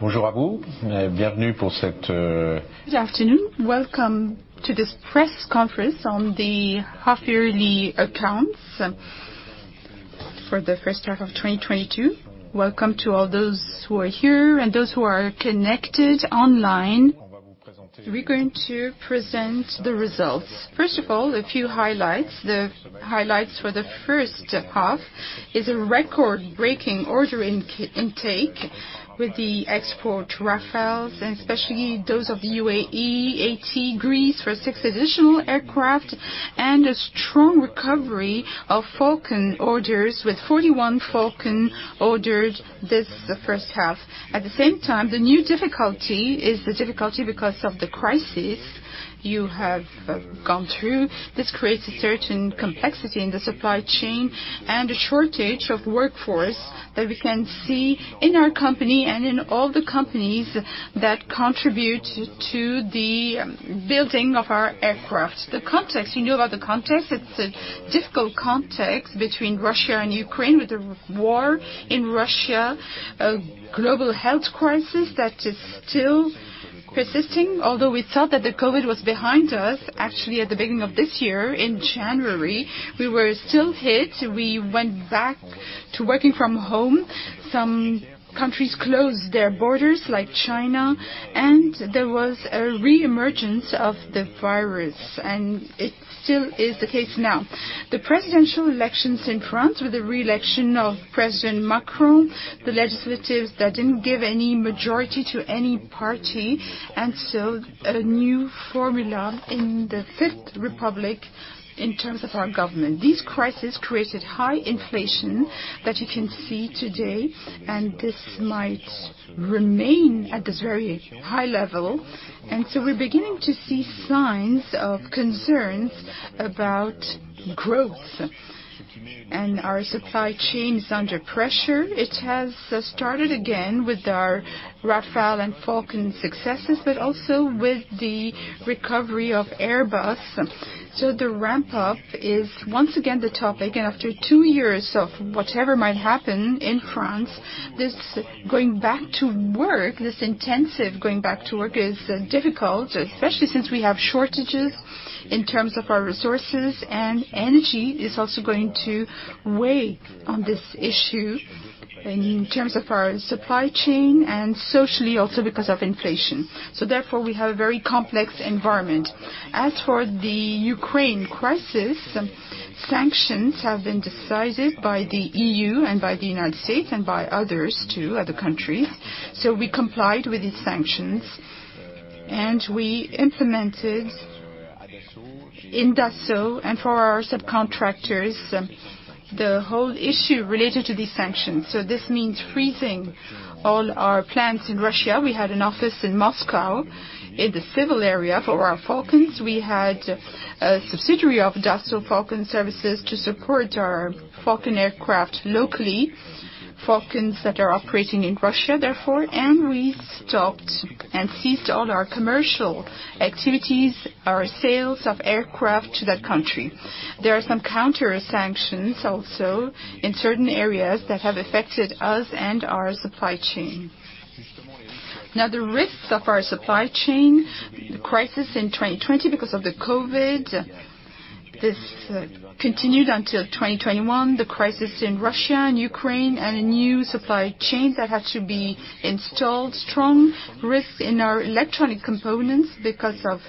Good afternoon. Welcome to this press conference on the 1/2-yearly accounts for the first 1/2 of 2022. Welcome to all those who are here and those who are connected online. We're going to present the results. First of all, a few highlights. The highlights for the first 1/2 is a record-breaking order intake with the export Rafales, and especially those of the UAE, to Greece for 6 additional aircraft, and a strong recovery of Falcon orders with 41 Falcon ordered this first 1/2. At the same time, the new difficulty because of the crisis you have gone through. This creates a certain complexity in the supply chain and a shortage of workforce that we can see in our company and in all the companies that contribute to the building of our aircraft. The context, you know about the context. It's a difficult context between Russia and Ukraine with the war in Russia, a global health crisis that is still persisting. Although we thought that the COVID was behind us, actually, at the beginning of this year in January, we were still hit. We went back to working from home. Some countries closed their borders, like China, and there was a reemergence of the virus, and it still is the case now. The presidential elections in France with the Re-Election of President Macron, the legislative elections that didn't give any majority to any party, and so a new formula in the Fifth Republic in terms of our government. This crisis created high inflation that you can see today, and this might remain at this very high level. We're beginning to see signs of concerns about growth. Our supply chain is under pressure. It has started again with our Rafale and Falcon successes, but also with the recovery of Airbus. The ramp up is once again the topic. After 2 years of whatever might happen in France, this going back to work, this intensive going back to work is difficult, especially since we have shortages in terms of our resources and energy is also going to weigh on this issue in terms of our supply chain and socially also because of inflation. Therefore, we have a very complex environment. As for the Ukraine crisis, some sanctions have been decided by the EU and by the United States and by others too, other countries. We complied with these sanctions, and we implemented in Dassault and for our subcontractors the whole issue related to these sanctions. This means freezing all our plants in Russia. We had an office in Moscow in the civil area for our Falcons. We had a subsidiary of Dassault Falcon Service to support our Falcon aircraft locally, Falcons that are operating in Russia, therefore, and we stopped and ceased all our commercial activities, our sales of aircraft to that country. There are some Counter-Sanctions also in certain areas that have affected us and our supply chain. Now, the risks of our supply chain, the crisis in 2020 because of the COVID, this continued until 2021, the crisis in Russia and Ukraine, and a new supply chain that had to be installed. Strong risks in our electronic components because of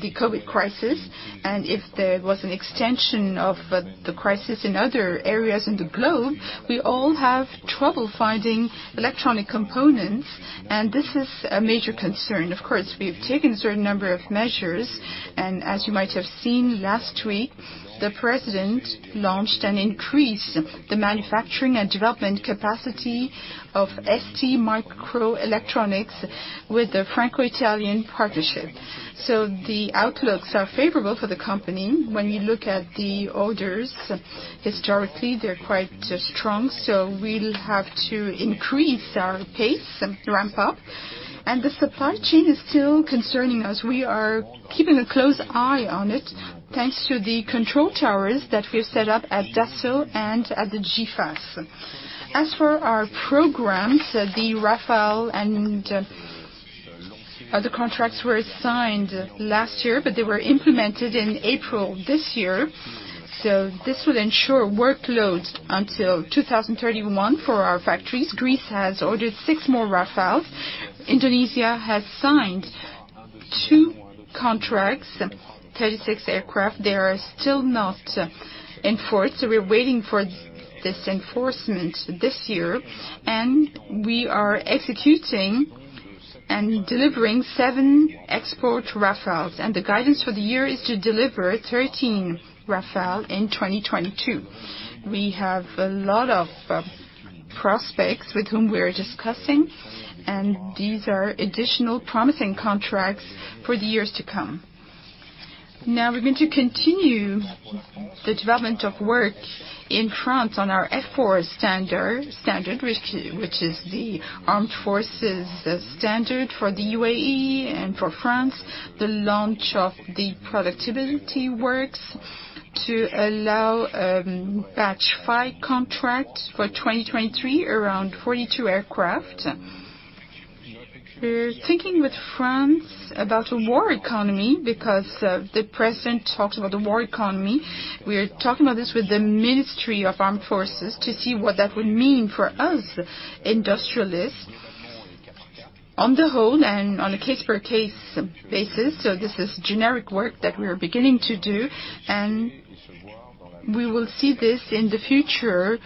the COVID crisis. If there was an extension of the crisis in other areas in the globe, we all have trouble finding electronic components, and this is a major concern. Of course, we have taken a certain number of measures, and as you might have seen last week, the president launched and increased the manufacturing and development capacity of STMicroelectronics with the Franco-Italian partnership. The outlooks are favorable for the company. When you look at the orders, historically, they're quite strong, so we'll have to increase our pace and ramp up. The supply chain is still concerning us. We are keeping a close eye on it, thanks to the control towers that we have set up at Dassault and at the GIFAS. As for our programs, the Rafale and other contracts were signed last year, but they were implemented in April this year, so this will ensure workloads until 2031 for our factories. Greece has ordered 6 more Rafales. Indonesia has signed 2 contracts, 36 aircraft. They are still not enforced, so we're waiting for this enforcement this year, and we are executing and delivering 7 export Rafales. The guidance for the year is to deliver 13 Rafale in 2022. We have a lot of prospects with whom we are discussing, and these are additional promising contracts for the years to come. Now we're going to continue the development of work in France on our F4 standard, which is the armed forces standard for the UAE and for France. The launch of the productivity works to allow batch 5 contract for 2023, around 42 aircraft. We're thinking with France about a war economy because the president talked about the war economy. We are talking about this with the Ministry of Armed Forces to see what that would mean for us industrialists on the whole and on a case-by-case basis. This is generic work that we are beginning to do, and we will see this in the future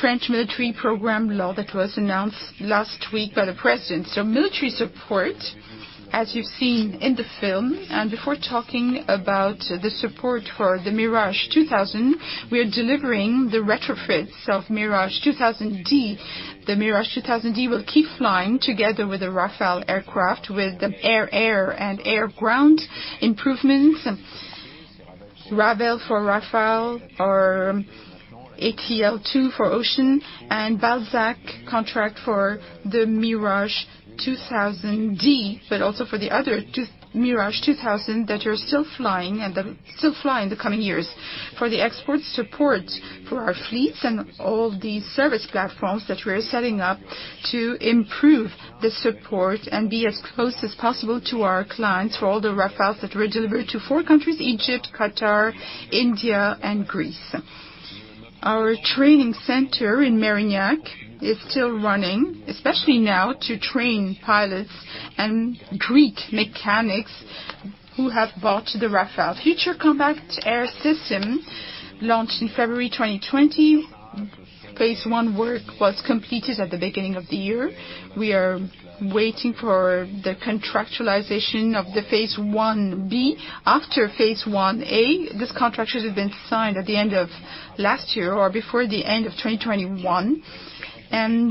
French military program law that was announced last week by the president. Military support, as you've seen in the film, and before talking about the support for the Mirage 2000, we are delivering the retrofits of Mirage 2000D. The Mirage 2000D will keep flying together with the Rafale aircraft with the air-air and air-ground improvements. RAVEL for Rafale or ATL2 for Ocean and BALZAC contract for the Mirage 2000D, but also for the other 2 Mirage 2000 that are still flying and they'll still fly in the coming years. For the export support for our fleets and all the service platforms that we're setting up to improve the support and be as close as possible to our clients for all the Rafales that were delivered to four countries, Egypt, Qatar, India and Greece. Our training center in Mérignac is still running, especially now to train pilots and Greek mechanics who have bought the Rafale. Future Combat Air System launched in February 2020. Phase one work was completed at the beginning of the year. We are waiting for the contractualization of the phase one B. After phase one A, this contract should have been signed at the end of last year or before the end of 2021.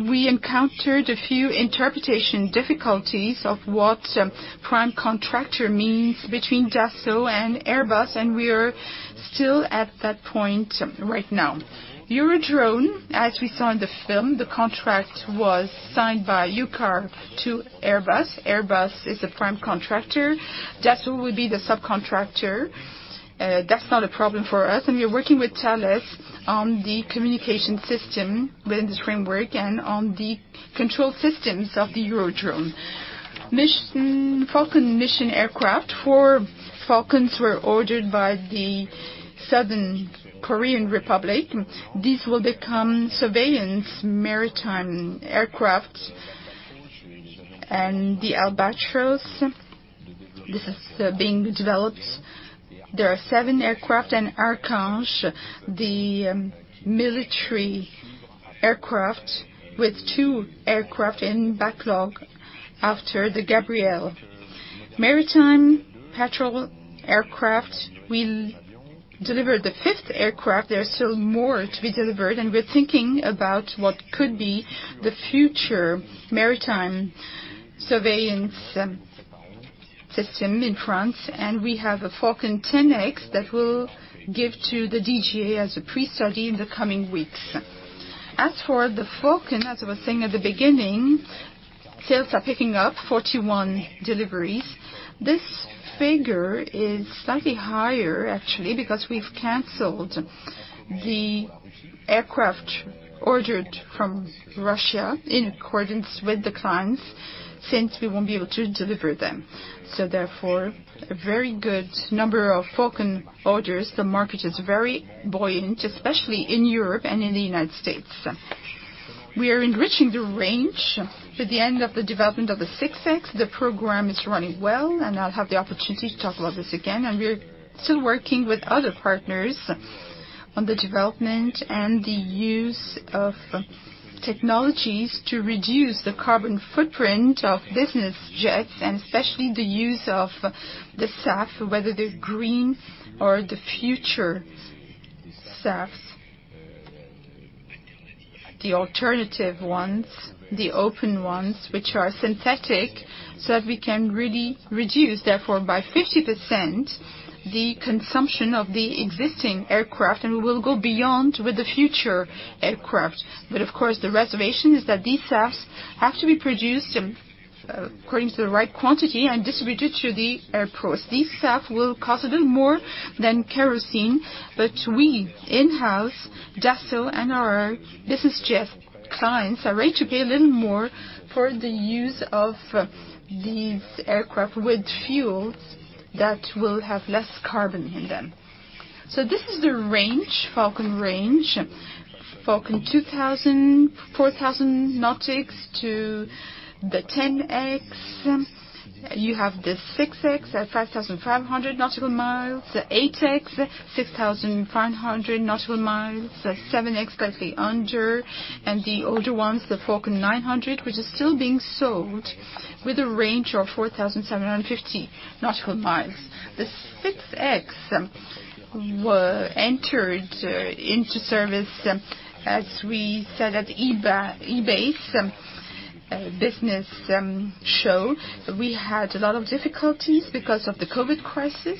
We encountered a few interpretation difficulties of what prime contractor means between Dassault and Airbus, and we are still at that point right now. Eurodrone, as we saw in the film, the contract was signed by OCCAR to Airbus. Airbus is the prime contractor. Dassault will be the subcontractor. That's not a problem for us, and we are working with Thales on the communication system within this framework and on the control systems of the Eurodrone. Falcon mission aircraft. 4 Falcons were ordered by the Republic of Korea. These will become maritime surveillance aircraft. The Albatros, this is being developed. There are 7 aircraft and Archange, the military aircraft with 2 aircraft in backlog after the Gabriel. Maritime patrol aircraft, we delivered the fifth aircraft. There are still more to be delivered, and we're thinking about what could be the future maritime surveillance system in France. We have a Falcon 10X that we'll give to the DGA as a Pre-Study in the coming weeks. As for the Falcon, as I was saying at the beginning, sales are picking up, 41 deliveries. This figure is slightly higher actually because we've canceled the aircraft ordered from Russia in accordance with the clients since we won't be able to deliver them. Therefore, a very good number of Falcon orders. The market is very buoyant, especially in Europe and in the United States. We are enriching the range for the end of the development of the 6X. The program is running well, and I'll have the opportunity to talk about this again. We're still working with other partners on the development and the use of technologies to reduce the carbon footprint of business jets and especially the use of the SAF, whether they're green or the future SAFs. The alternative ones, the open ones, which are synthetic, so that we can really reduce, therefore, by 50% the consumption of the existing aircraft, and we will go beyond with the future aircraft. Of course, the reservation is that these SAFs have to be produced according to the right quantity and distributed to the airports. These SAF will cost a little more than kerosene, but we in-house, Dassault and our business jet clients are ready to pay a little more for the use of these aircraft with fuels that will have less carbon in them. This is the range, Falcon range. Falcon 2000, 4,000 nautical miles to the 10X. You have the Falcon 6X at 5,500 nautical miles, the Falcon 8X, 6,500 nautical miles, the Falcon 7X slightly under, and the older ones, the Falcon 900, which are still being sold with a range of 4,750 nautical miles. The Falcon 6X were entered into service, as we said at EBACE business show. We had a lot of difficulties because of the COVID crisis.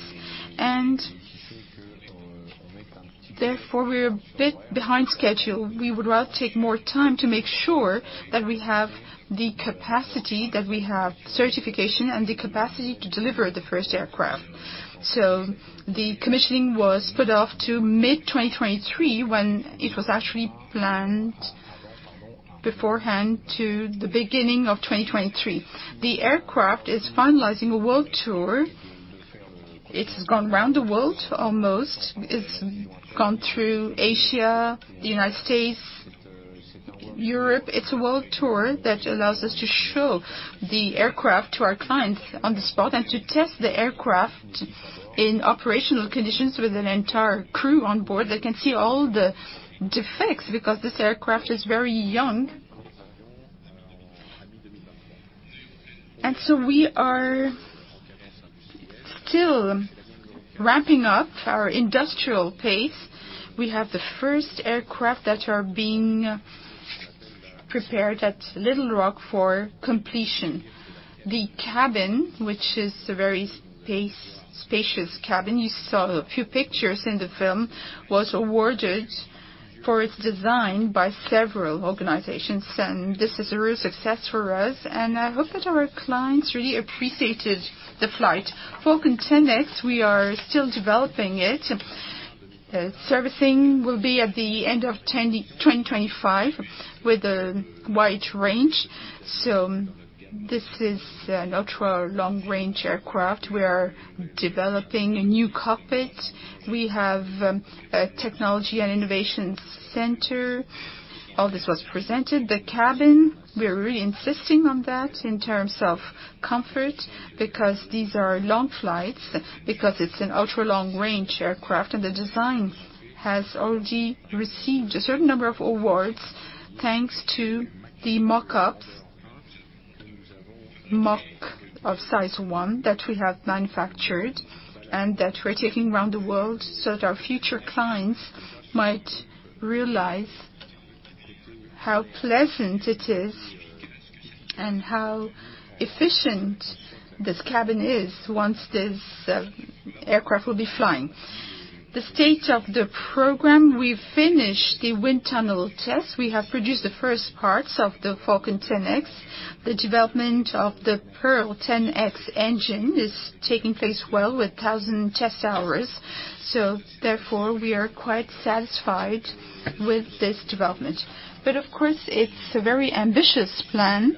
Therefore, we're a bit behind schedule. We would rather take more time to make sure that we have the capacity, that we have certification and the capacity to deliver the first aircraft. The commissioning was put off to mid 2023, when it was actually planned beforehand to the beginning of 2023. The aircraft is finalizing a world tour. It's gone round the world almost. It's gone through Asia, the United States, Europe. It's a world tour that allows us to show the aircraft to our clients on the spot and to test the aircraft in operational conditions with an entire crew on board. They can see all the defects, because this aircraft is very young. We are still ramping up our industrial pace. We have the first aircraft that are being prepared at Little Rock for completion. The cabin, which is a very spacious cabin, you saw a few pictures in the film, was awarded for its design by several organizations, and this is a real success for us, and I hope that our clients really appreciated the flight. Falcon 10X, we are still developing it. Servicing will be at the end of 2025 with a wide range, so this is an ultra-long-range aircraft. We are developing a new cockpit. We have a technology and innovation center. All this was presented. The cabin, we're really insisting on that in terms of comfort, because these are long flights, because it's an Ultra-Long-Range aircraft, and the design has already received a certain number of awards thanks to the Mock-Ups, Mock-Up of size one that we have manufactured and that we're taking around the world so that our future clients might realize how pleasant it is and how efficient this cabin is once this aircraft will be flying. The state of the program, we've finished the wind tunnel test. We have produced the first parts of the Falcon 10X. The development of the Pearl 10X engine is taking place well, with 1,000 test hours. We are quite satisfied with this development. Of course, it's a very ambitious plan,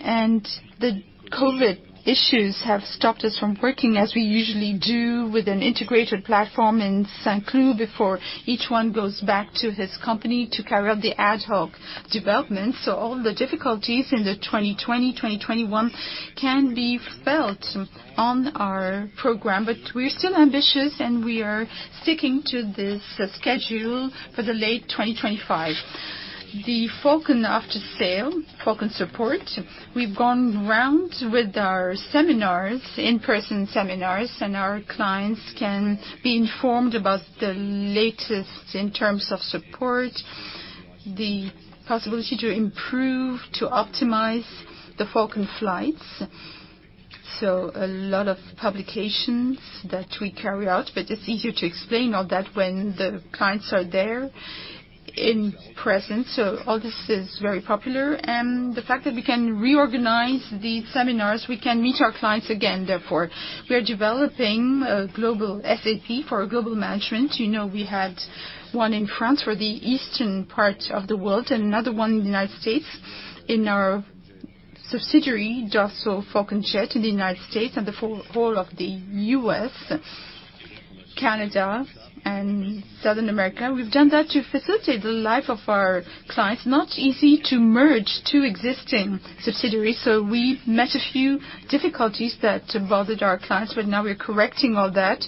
and the COVID issues have stopped us from working as we usually do with an integrated platform in Saint-Cloud before each one goes back to his company to carry out the ad hoc development. All the difficulties in the 2020, 2021 can be felt on our program, but we're still ambitious, and we are sticking to this schedule for the late 2025. The Falcon after sale, Falcon support, we've gone round with our seminars, in-person seminars, and our clients can be informed about the latest in terms of support, the possibility to improve, to optimize the Falcon flights. A lot of publications that we carry out, but it's easier to explain all that when the clients are there in person. All this is very popular. The fact that we can reorganize these seminars, we can meet our clients again therefore. We are developing a global SAP for global management. You know, we had one in France for the eastern part of the world and another one in the United States in our subsidiary, Dassault Falcon Jet in the United States and the whole of the U.S., Canada and South America. We've done that to facilitate the life of our clients. Not easy to merge 2 existing subsidiaries, so we met a few difficulties that bothered our clients, but now we're correcting all that.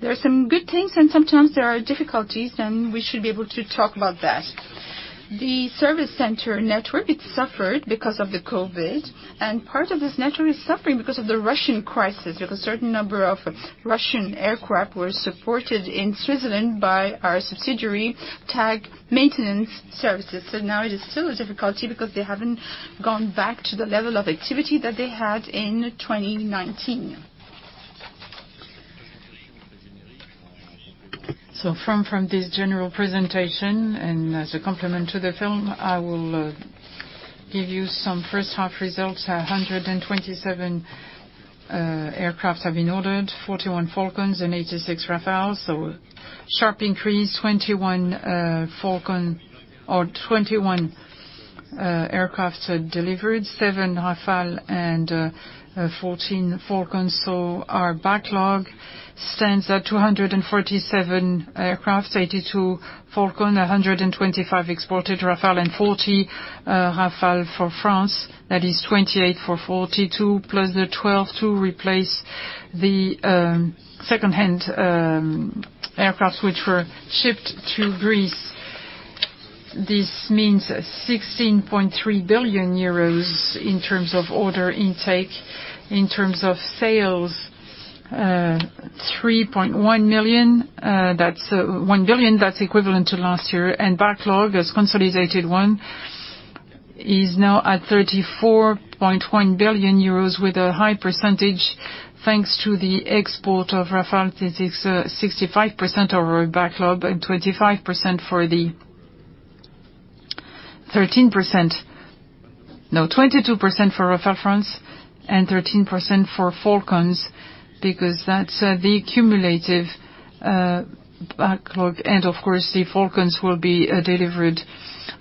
There are some good things, and sometimes there are difficulties, and we should be able to talk about that. The service center network, it suffered because of the COVID, and part of this network is suffering because of the Russian crisis, because certain number of Russian aircraft were supported in Switzerland by our subsidiary, TAG Maintenance Services. Now it is still a difficulty because they haven't gone back to the level of activity that they had in 2019. From this general presentation, and as a complement to the film, I will give you some first 1/2 results. 127 aircraft have been ordered, 41 Falcons and 86 Rafales, sharp increase. 21 aircraft are delivered, 7 Rafale and 14 Falcons. Our backlog stands at 247 aircraft, 82 Falcon, 125 exported Rafale and 40 Rafale for France. That is 28 for 42 plus the 12 to replace the secondhand aircraft which were shipped to Greece. This means 16.3 billion euros in terms of order intake. In terms of sales, 3.1 billion. That's equivalent to last year. Backlog as consolidated one is now at 34.1 billion euros with a high percentage, thanks to the export of Rafale. This is 65% of our backlog and 22% for Rafale France and 13% for Falcons, because that's the cumulative backlog. Of course, the Falcons will be delivered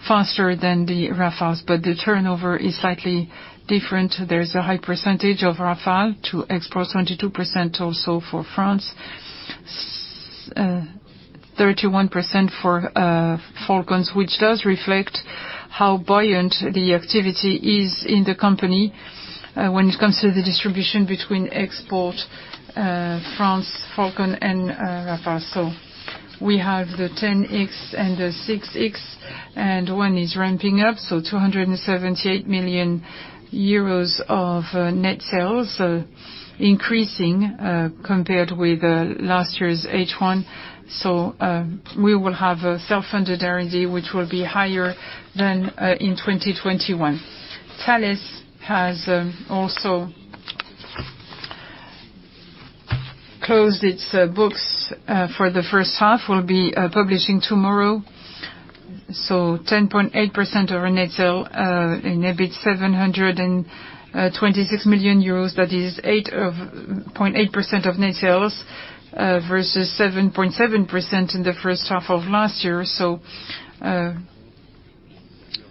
faster than the Rafales, but the turnover is slightly different. There's a high percentage of Rafale to export, 22% also for France, 31% for Falcons, which does reflect how buoyant the activity is in the company when it comes to the distribution between export, France, Falcon and Rafale. We have the 10X and the 6X, and one is ramping up, so 278 million euros of net sales increasing compared with last year's H1. We will have a self-funded R&D which will be higher than in 2021. Thales has also closed its books for the first 1/2. We'll be publishing tomorrow. 10.8% of our net sale and EBIT 726 million euros, that is 8.8% of net sales versus 7.7% in the first 1/2 of last year.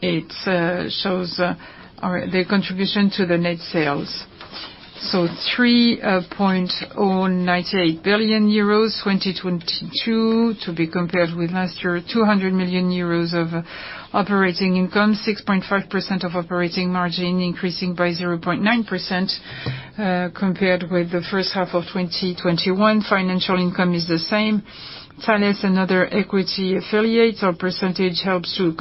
It shows our contribution to the net sales. 3.098 billion euros, 2022, to be compared with last year, 200 million euros of operating income, 6.5% of operating margin increasing by 0.9%, compared with the first 1/2 of 2021. Financial income is the same. Thales and other equity affiliates proportionate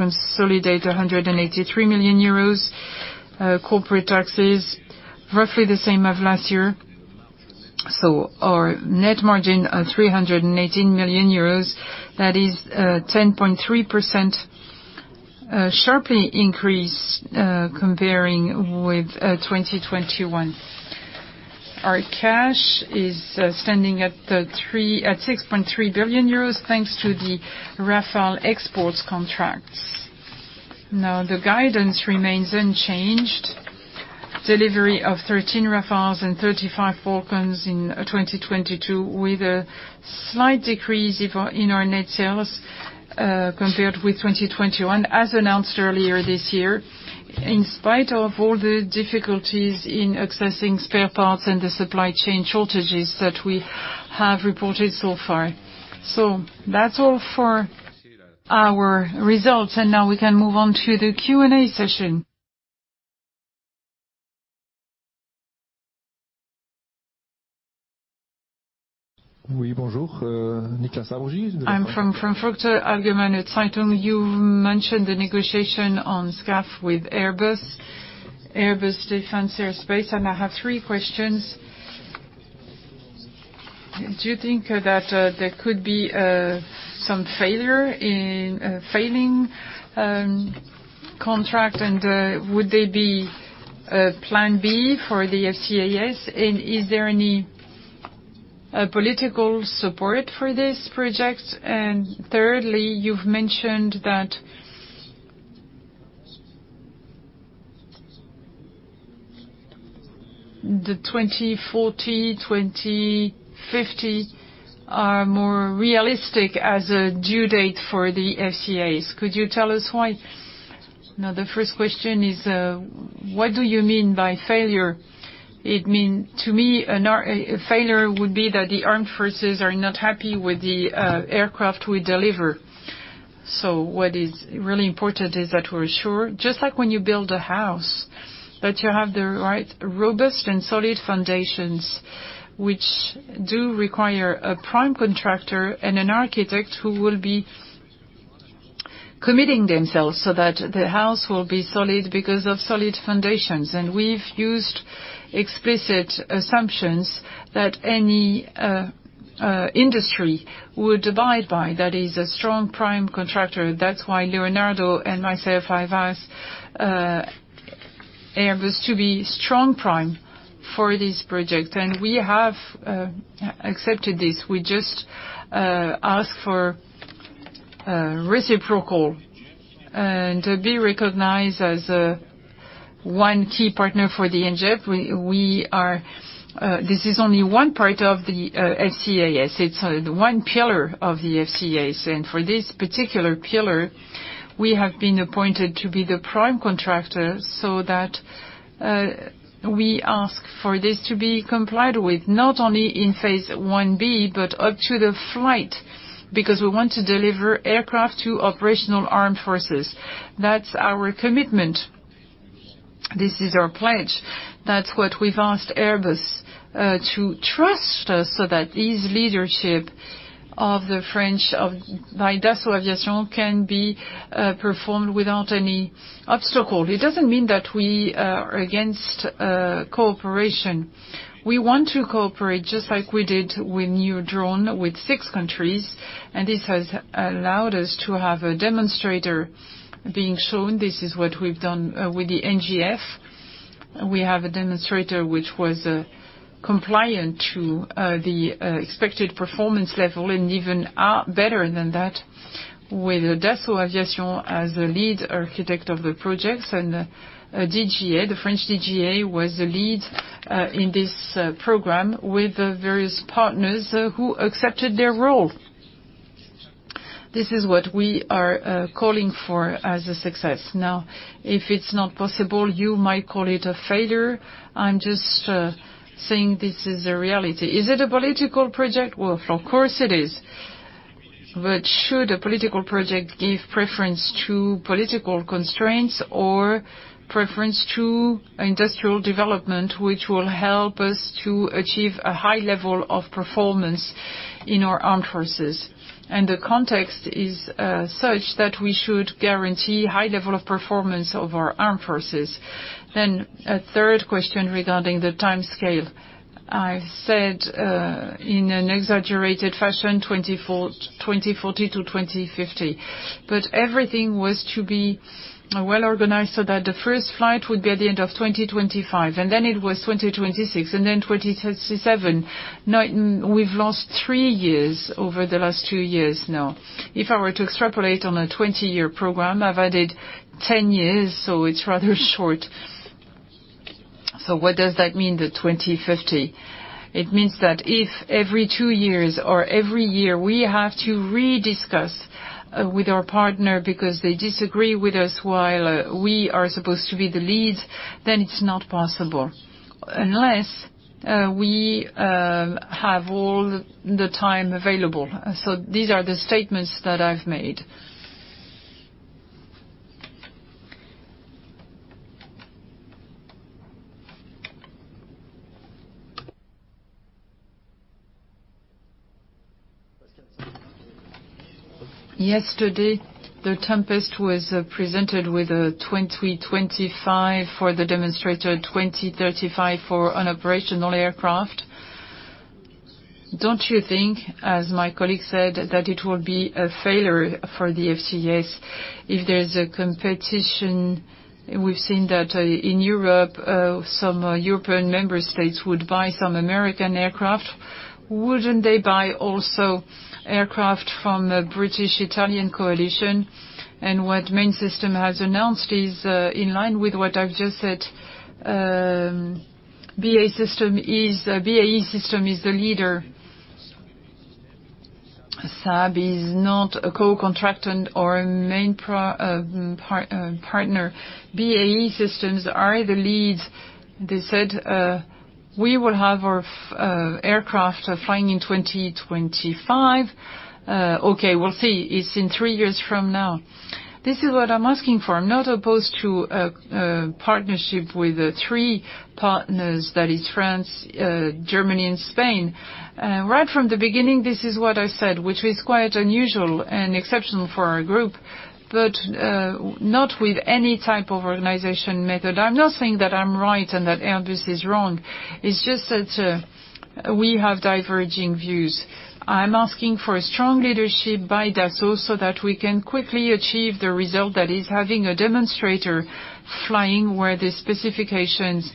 consolidation EUR 183 million. Corporate taxes, roughly the same as last year. Our net margin of 318 million euros, that is, 10.3%, sharply increased, comparing with 2021. Our cash is standing at 6.3 billion euros, thanks to the Rafale exports contracts. Now, the guidance remains unchanged. Delivery of 13 Rafales and 35 Falcons in 2022, with a slight decrease in our net sales compared with 2021, as announced earlier this year, in spite of all the difficulties in accessing spare parts and the supply chain shortages that we have reported so far. That's all for our results, and now we can move on to the Q&A session. I'm from Frankfurter Allgemeine Zeitung. You mentioned the negotiation on SCAF with Airbus and Airbus Defence and Space, and I have 3 questions. Do you think that there could be some failure in finalizing contract, and would there be a plan B for the FCAS? Is there any political support for this project? Thirdly, you've mentioned that 2040, 2050 are more realistic as a due date for the FCAS. Could you tell us why? Now, the first question is, what do you mean by failure? To me, a failure would be that the armed forces are not happy with the aircraft we deliver. What is really important is that we're sure, just like when you build a house, that you have the right, robust, and solid foundations which do require a prime contractor and an architect who will be committing themselves so that the house will be solid because of solid foundations. We've used explicit assumptions that any industry would abide by. That is a strong prime contractor. That's why Leonardo and myself, I've asked Airbus to be strong prime for this project. We have accepted this. We just ask for reciprocal and to be recognized as one key partner for the NGF. This is only one part of the FCAS. It's the one pillar of the FCAS. For this particular pillar, we have been appointed to be the prime contractor so that we ask for this to be complied with, not only in phase 1B, but up to the flight, because we want to deliver aircraft to operational armed forces. That's our commitment. This is our pledge. That's what we've asked Airbus to trust us so that this leadership by Dassault Aviation can be performed without any obstacle. It doesn't mean that we are against cooperation. We want to cooperate just like we did with NEURON with 6 countries, and this has allowed us to have a demonstrator being shown. This is what we've done with the NGF. We have a demonstrator which was compliant to the expected performance level and even better than that with Dassault Aviation as the lead architect of the projects and DGA, the French DGA, was the lead in this program with the various partners who accepted their role. This is what we are calling for as a success. Now, if it's not possible, you might call it a failure. I'm just saying this is a reality. Is it a political project? Well, of course it is. But should a political project give preference to political constraints or preference to industrial development, which will help us to achieve a high level of performance in our armed forces? The context is such that we should guarantee high level of performance of our armed forces. A 1/3 question regarding the time scale. I've said, in an exaggerated fashion, 2040 to 2050. But everything was to be Well-Organized so that the first flight would be at the end of 2025, and then it was 2026, and then 2027. Now we've lost 3 years over the last 2 years now. If I were to extrapolate on a 20-year program, I've added 10 years, so it's rather short. What does that mean, the 2050? It means that if every 2 years or every year we have to Re-Discuss with our partner because they disagree with us while we are supposed to be the lead, then it's not possible, unless we have all the time available. These are the statements that I've made. Yesterday, the Tempest was presented with a 2025 for the demonstrator, 2035 for an operational aircraft. Don't you think, as my colleague said, that it will be a failure for the FCAS if there's a competition? We've seen that in Europe, some European member states would buy some American aircraft. Wouldn't they buy also aircraft from the British-Italian coalition? What BAE Systems has announced is in line with what I've just said. BAE Systems is the leader. Saab is not a co-contractant or a main partner. BAE Systems are the lead. They said, "We will have our aircraft flying in 2025." Okay, we'll see. It's in 3 years from now. This is what I'm asking for. I'm not opposed to a partnership with the 3 partners, that is France, Germany and Spain. Right from the beginning, this is what I said, which was quite unusual and exceptional for our group, but not with any type of organization method. I'm not saying that I'm right and that Airbus is wrong. It's just that we have diverging views. I'm asking for a strong leadership by Dassault so that we can quickly achieve the result that is having a demonstrator flying where the specifications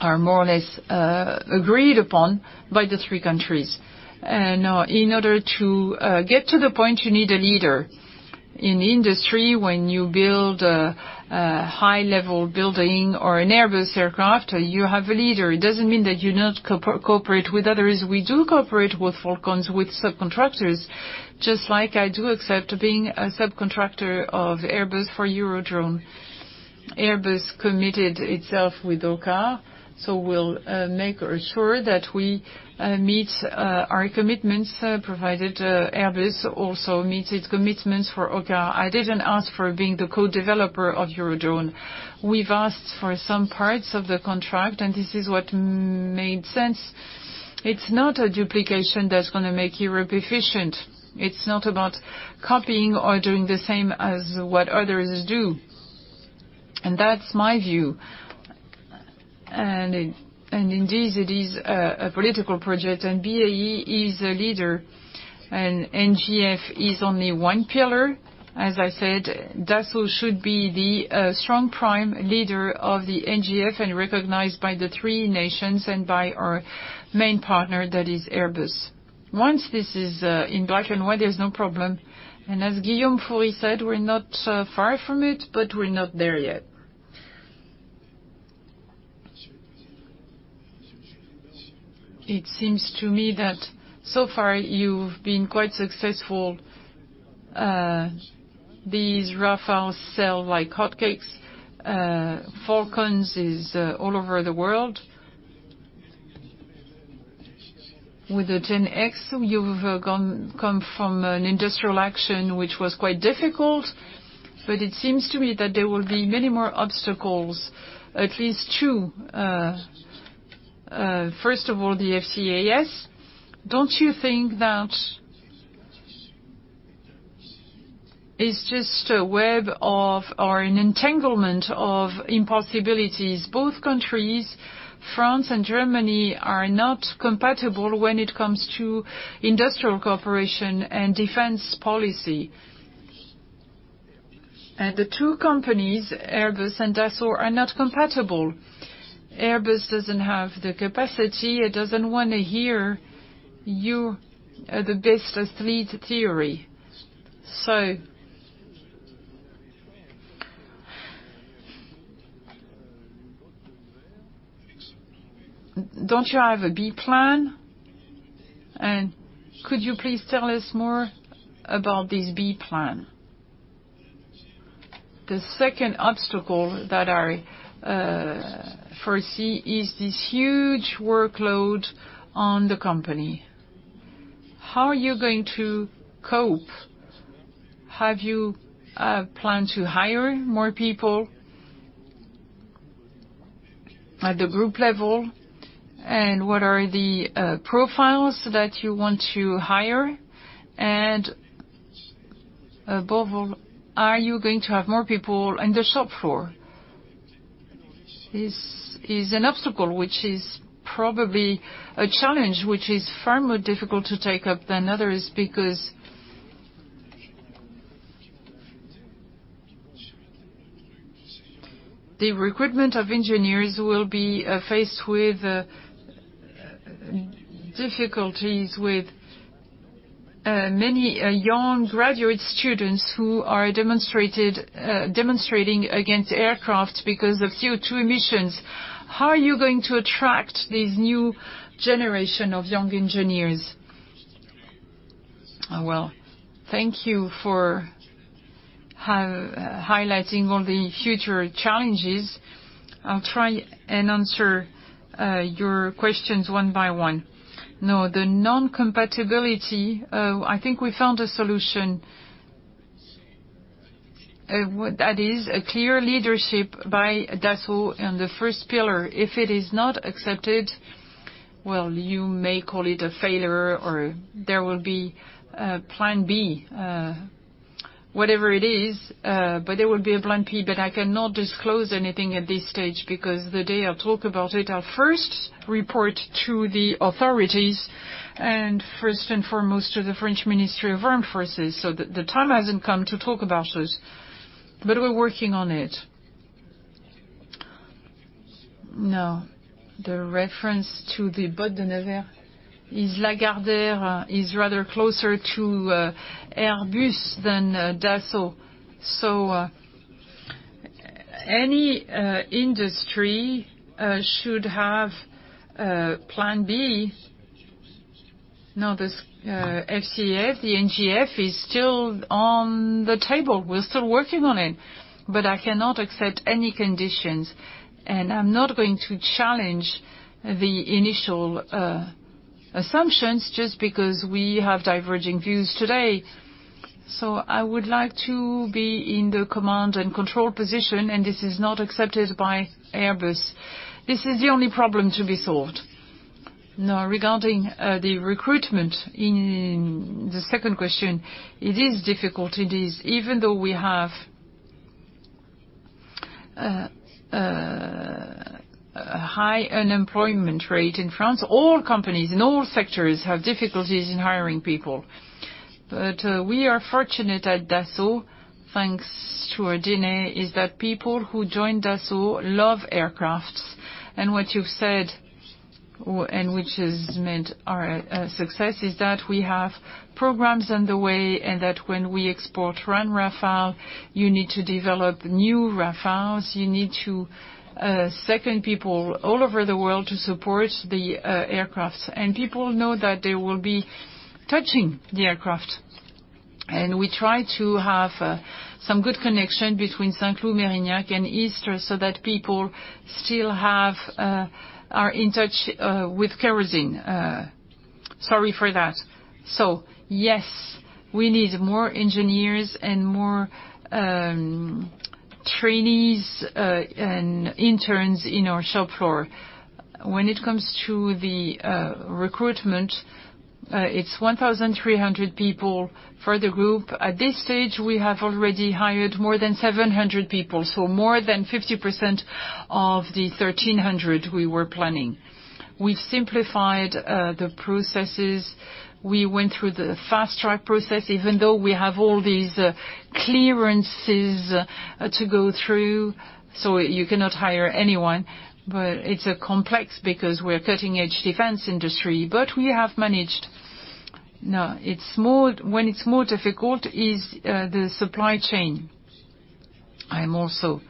are more or less agreed upon by the 3 countries. Now in order to get to the point, you need a leader. In industry, when you build a high-level building or an Airbus aircraft, you have a leader. It doesn't mean that you not cooperate with others. We do cooperate with Falcons, with subcontractors, just like I do accept being a subcontractor of Airbus for Eurodrone. Airbus committed itself with OCCAR, so we'll make sure that we meet our commitments, provided Airbus also meets its commitments for OCCAR. I didn't ask for being the co-developer of Eurodrone. We've asked for some parts of the contract, and this is what made sense. It's not a duplication that's gonna make Europe efficient. It's not about copying or doing the same as what others do. That's my view. Indeed, it is a political project, and BAE is a leader, and NGF is only one pillar. As I said, Dassault should be the strong prime leader of the NGF and recognized by the 3 nations and by our main partner, that is Airbus. Once this is in black and white, there's no problem. As Guillaume Faury said, we're not far from it, but we're not there yet. It seems to me that so far you've been quite successful. These Rafales sell like hotcakes. Falcons is all over the world. With the 10X, you've come from an industrial action, which was quite difficult. It seems to me that there will be many more obstacles, at least 2. First of all, the FCAS. Don't you think that it's just a web of or an entanglement of impossibilities? Both countries, France and Germany are not compatible when it comes to industrial cooperation and defense policy. The 2 companies, Airbus and Dassault, are not compatible. Airbus doesn't have the capacity, it doesn't wanna hear about you being the lead. Don't you have a B plan? Could you please tell us more about this B plan? The second obstacle that I foresee is this huge workload on the company. How are you going to cope? Have you planned to hire more people at the group level? What are the profiles that you want to hire? Above all, are you going to have more people on the shop floor? This is an obstacle which is probably a challenge, which is far more difficult to take up than others because the recruitment of engineers will be faced with difficulties with many young graduate students who are demonstrating against aircraft because of CO2 emissions. How are you going to attract these new generation of young engineers? Well, thank you for highlighting all the future challenges. I'll try and answer your questions one by one. Now, the non-compatibility, I think we found a solution. What that is, a clear leadership by Dassault and the first pillar. If it is not accepted, well, you may call it a failure, or there will be a plan B, whatever it is. There will be a plan B, but I cannot disclose anything at this stage because the day I talk about it, I'll first report to the authorities and first and foremost to the French Ministry of the Armed Forces. The time hasn't come to talk about this, but we're working on it. Now, the reference to the Baudouin de Navarre is Lagardère is rather closer to Airbus than Dassault. Any industry should have a plan B. Now, this FCAS, the NGF is still on the table. We're still working on it, but I cannot accept any conditions, and I'm not going to challenge the initial assumptions just because we have diverging views today. I would like to be in the command and control position, and this is not accepted by Airbus. This is the only problem to be solved. Now regarding the recruitment in the second question, it is difficult. It is. Even though we have a high unemployment rate in France, all companies in all sectors have difficulties in hiring people. We are fortunate at Dassault, thanks to our DNA, is that people who join Dassault love aircrafts. What you've said, and which has meant our success, is that we have programs underway, and that when we export one Rafale, you need to develop new Rafales. You need to send people all over the world to support the aircrafts. People know that they will be touching the aircraft. We try to have some good connection between Saint-Cloud, Mérignac, and Istres so that people still are in touch with kerosene. Sorry for that. Yes, we need more engineers and more trainees and interns in our shop floor. When it comes to the recruitment, it's 1,300 people for the group. At this stage, we have already hired more than 700 people, so more than 50% of the 1,300 we were planning. We've simplified the processes. We went through the fast-track process, even though we have all these clearances to go through, so you cannot hire anyone. It's complex because we're a cutting-edge defense industry, but we have managed. Now, what is more difficult is the supply chain. I'm also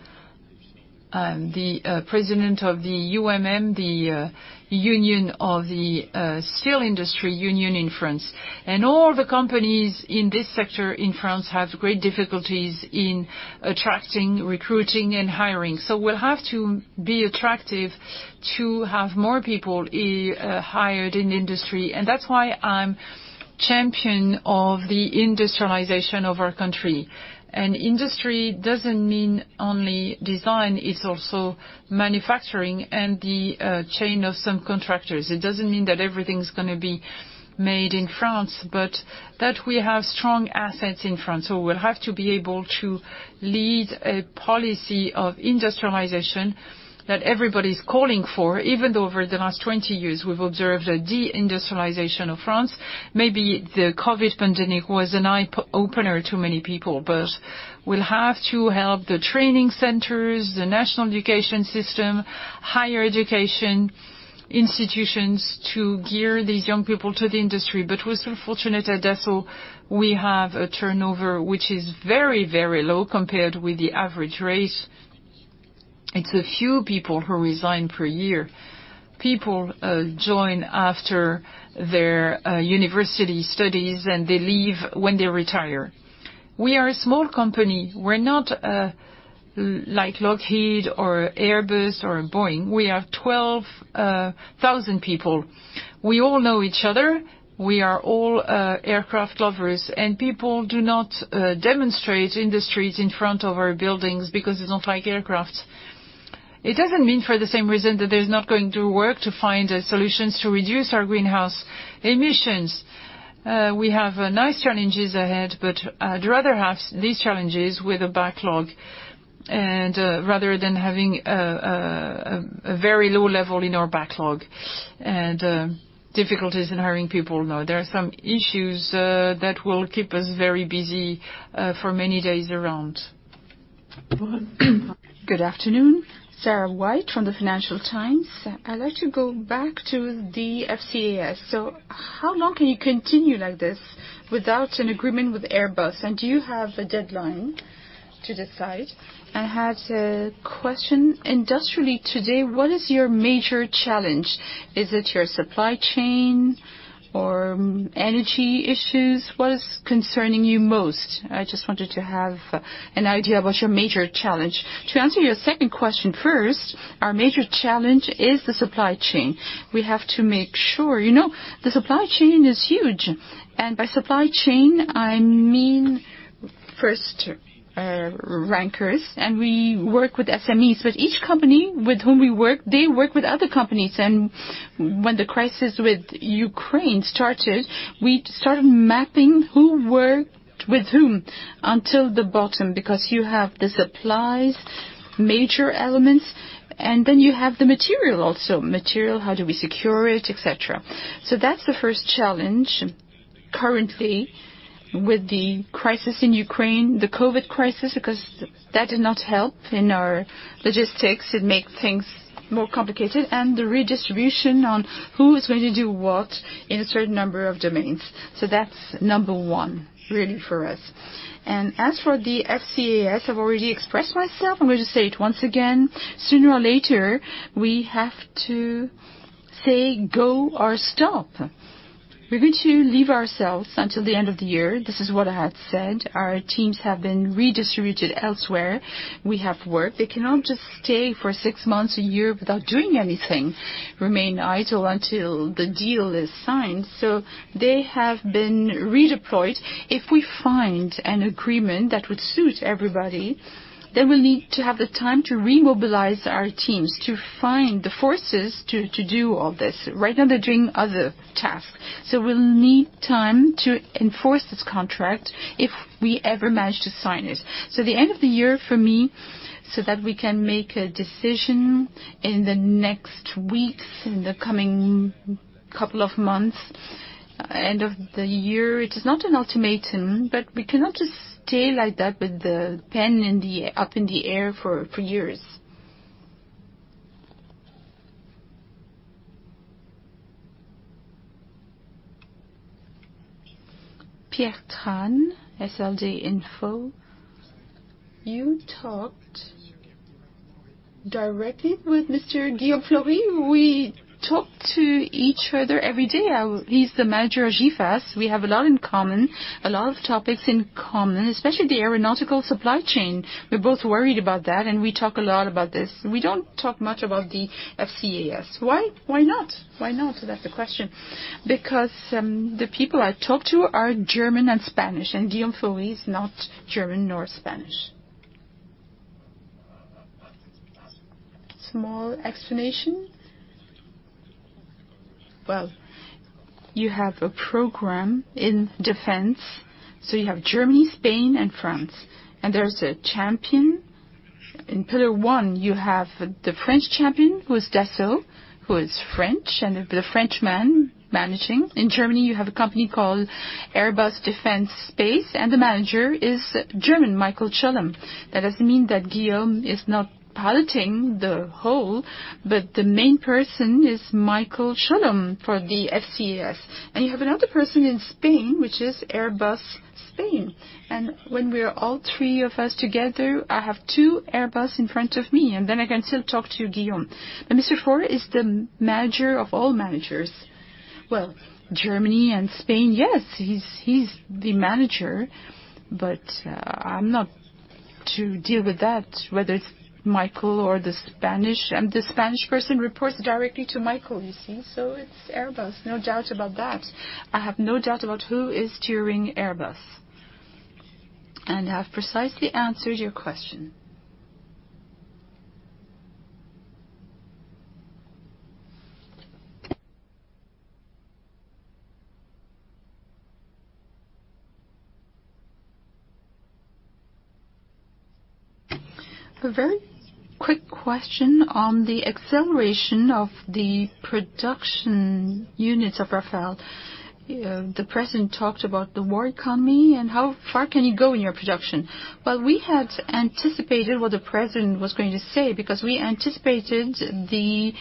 the president of the UIMM, the union of the steel industry in France. All the companies in this sector in France have great difficulties in attracting, recruiting, and hiring. We'll have to be attractive to have more people hired in industry, and that's why I'm champion of the industrialization of our country. Industry doesn't mean only design, it's also manufacturing and the chain of subcontractors. It doesn't mean that everything's gonna be made in France, but that we have strong assets in France. We'll have to be able to lead a policy of industrialization that everybody's calling for, even though over the last 20 years, we've observed a de-industrialization of France. Maybe the COVID pandemic was an eye-opener to many people, but we'll have to help the training centers, the national education system, higher education. Institutions to gear these young people to the industry. We're still fortunate at Dassault, we have a turnover which is very, very low compared with the average rate. It's a few people who resign per year. People join after their university studies and they leave when they retire. We are a small company. We're not like Lockheed or Airbus or Boeing. We are 12,000 people. We all know each other. We are all aircraft lovers, and people do not demonstrate in the streets in front of our buildings because they don't like aircraft. It doesn't mean for the same reason that there's not going to work to find solutions to reduce our greenhouse emissions. We have nice challenges ahead, but I'd rather have these challenges with a backlog and rather than having a very low level in our backlog and difficulties in hiring people. No, there are some issues that will keep us very busy for many days around. Good afternoon, Sarah White from the Financial Times. I'd like to go back to the FCAS. So how long can you continue like this without an agreement with Airbus? And do you have a deadline to decide? I had a question. Industrially today, what is your major challenge? Is it your supply chain or energy issues? What is concerning you most? I just wanted to have an idea what's your major challenge. To answer your second question first, our major challenge is the supply chain. We have to make sure. You know, the supply chain is huge, and by supply chain, I mean first rankers, and we work with SMEs, but each company with whom we work, they work with other companies. When the crisis with Ukraine started, we started mapping who worked with whom until the bottom, because you have the supplies, major elements, and then you have the material also. Material, how do we secure it, et cetera. That's the first challenge currently with the crisis in Ukraine, the COVID crisis, because that did not help in our logistics. It make things more complicated, and the redistribution on who is going to do what in a certain number of domains. That's number one really for us. As for the FCAS, I've already expressed myself. I'm going to say it once again. Sooner or later, we have to say go or stop. We're going to leave ourselves until the end of the year. This is what I had said. Our teams have been redistributed elsewhere. We have work. They cannot just stay for 6 months, a year without doing anything, remain idle until the deal is signed. They have been redeployed. If we find an agreement that would suit everybody, then we'll need to have the time to remobilize our teams, to find the forces to do all this. Right now, they're doing other tasks. We'll need time to enforce this contract if we ever manage to sign it. The end of the year for me, so that we can make a decision in the next weeks, in the coming couple of months, end of the year. It is not an ultimatum, but we cannot just stay like that with the pen up in the air for years. Pierre Tran, Defense News. You talked directly with Mr. Guillaume Faury? We talk to each other every day. He's the manager of GIFAS. We have a lot in common, a lot of topics in common, especially the aeronautical supply chain. We're both worried about that, and we talk a lot about this. We don't talk much about the FCAS. Why? Why not? That's the question. Because the people I talk to are German and Spanish, and Guillaume Faury is not German nor Spanish. Small explanation. Well, you have a program in defense, so you have Germany, Spain, and France, and there's a champion. In pillar one, you have the French champion, who is Dassault, who is French, and the Frenchman managing. In Germany, you have a company called Airbus Defence and Space, and the manager is German, Michael Schöllhorn. That doesn't mean that Guillaume is not piloting the whole, but the main person is Michael Schöllhorn for the FCAS. You have another person in Spain, which is Airbus Spain. When we are all 3 of us together, I have 2 Airbus in front of me, and then I can still talk to Guillaume. Mr. Faury is the manager of all managers. Well, Germany and Spain, yes, he's the manager, but I'm not to deal with that, whether it's Michael or the Spanish. The Spanish person reports directly to Michael, you see? It's Airbus, no doubt about that. I have no doubt about who is steering Airbus, and I've precisely answered your question. A very quick question on the acceleration of the production units of Rafale. The President talked about the war economy and how far can you go in your production? Well, we had anticipated what the President was going to say because we anticipated the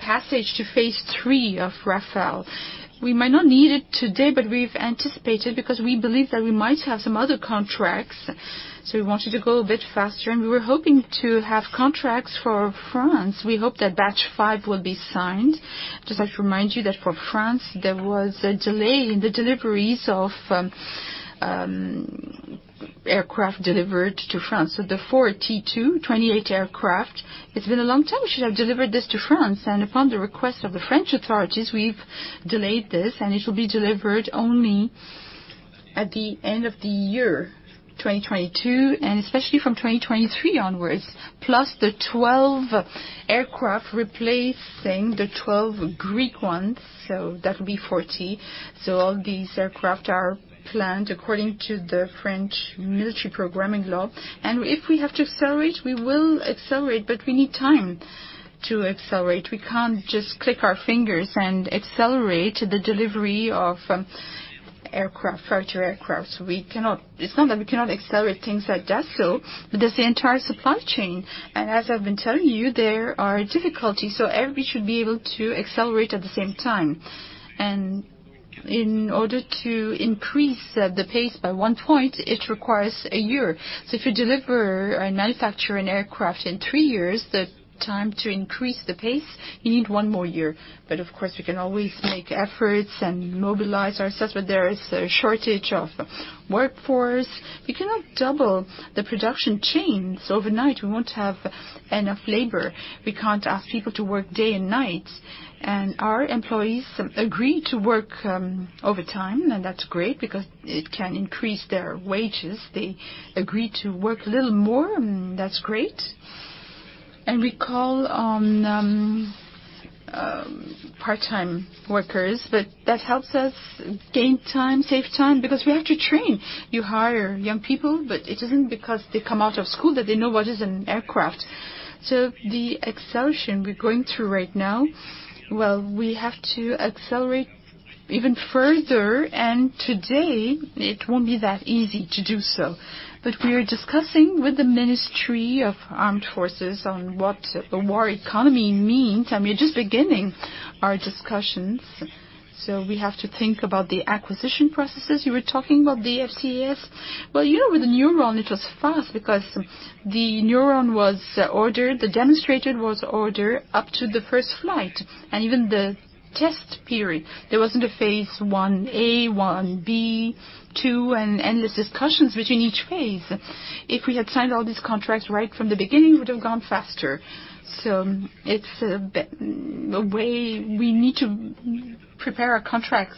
passage to phase 3 of Rafale. We might not need it today, but we've anticipated because we believe that we might have some other contracts, so we wanted to go a bit faster, and we were hoping to have contracts for France. We hope that batch 5 will be signed. Just, I should remind you that for France, there was a delay in the deliveries of aircraft delivered to France. The 42, 28 aircraft, it's been a long time we should have delivered this to France, and upon the request of the French authorities, we've delayed this, and it'll be delivered only at the end of the year, 2022, and especially from 2023 onwards, plus the 12 aircraft replacing the 12 Greek ones, so that will be 40. All these aircraft are planned according to the French military programming law. If we have to accelerate, we will accelerate, but we need time to accelerate. We can't just click our fingers and accelerate the delivery of aircraft, fighter aircrafts. It's not that we cannot accelerate things at Dassault, but there's the entire supply chain. As I've been telling you, there are difficulties, so everybody should be able to accelerate at the same time. In order to increase the pace by 1 point, it requires a year. If you deliver or manufacture an aircraft in 3 years, the time to increase the pace, you need 1 more year. Of course, we can always make efforts and mobilize ourselves, but there is a shortage of workforce. We cannot double the production chains overnight. We won't have enough labor. We can't ask people to work day and night. Our employees agree to work overtime, and that's great because it can increase their wages. They agree to work a little more, and that's great. Call on part-time workers, but that helps us gain time, save time, because we have to train. You hire young people, but it isn't because they come out of school that they know what is an aircraft. The acceleration we're going through right now, well, we have to accelerate even further, and today, it won't be that easy to do so. We are discussing with the Ministry of the Armed Forces on what a war economy means. I mean, we're just beginning our discussions, so we have to think about the acquisition processes. You were talking about the FCAS. Well, you know, with nEUROn, it was fast because thenEUROn was ordered, the demonstrator was ordered up to the first flight. Even the test period, there wasn't a phase 1A, 1B, 2, and endless discussions between each phase. If we had signed all these contracts right from the beginning, it would have gone faster. It's a bit, a way we need to prepare our contracts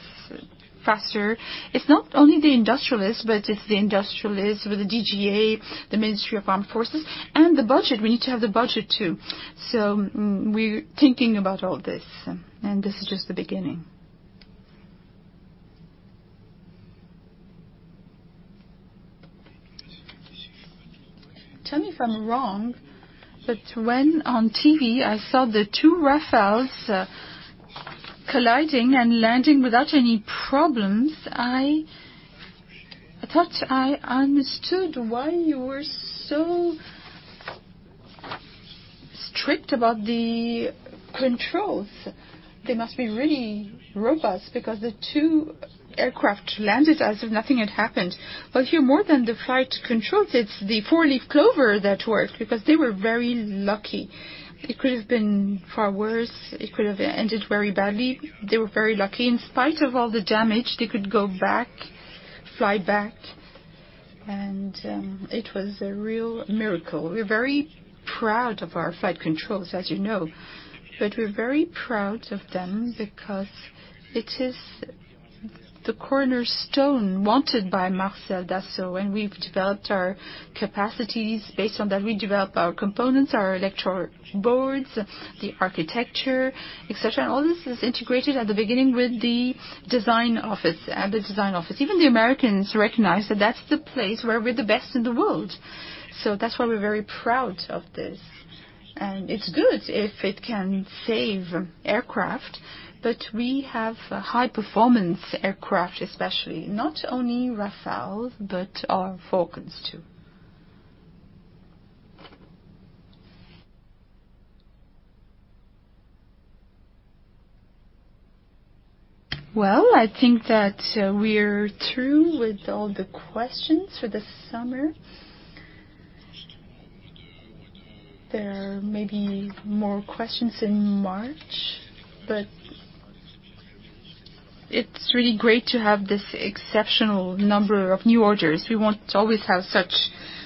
faster. It's not only the industrialists, but it's the industrialists with the DGA, the Ministry of Armed Forces, and the budget. We need to have the budget, too. We're thinking about all this, and this is just the beginning. Tell me if I'm wrong, but when on TV, I saw the 2 Rafales colliding and landing without any problems, I thought I understood why you were so strict about the controls. They must be really robust because the 2 aircraft landed as if nothing had happened. Here, more than the flight controls, it's the four-leaf clover that worked because they were very lucky. It could have been far worse. It could have ended very badly. They were very lucky. In spite of all the damage, they could go back, fly back, and it was a real miracle. We're very proud of our flight controls, as you know. We're very proud of them because it is the cornerstone wanted by Marcel Dassault, and we've developed our capacities based on that. We developed our components, our electrical boards, the architecture, et cetera, and all this is integrated at the beginning with the design office, at the design office. Even the Americans recognize that that's the place where we're the best in the world. That's why we're very proud of this. It's good if it can save aircraft, but we have high-performance aircraft, especially, not only Rafales, but our Falcons, too. Well, I think that we're through with all the questions for the summer. There may be more questions in March, but it's really great to have this exceptional number of new orders. We won't always have such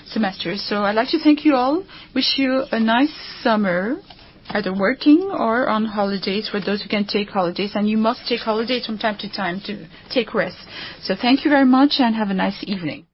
semesters. I'd like to thank you all. Wish you a nice summer, either working or on holidays for those who can take holidays, and you must take holidays from time to time to take rest. Thank you very much, and have a nice evening.